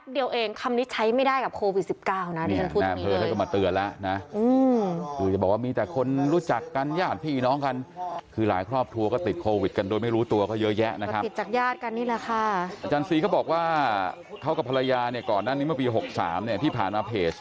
คือยังมายก็ต้องใส่จริงคือจะบอกว่าแป๊บเดียวเองคำนี้ใช้ไม่ได้กับโควิดสิบก้าวโครวิดสิบเก้านะดิจันทุน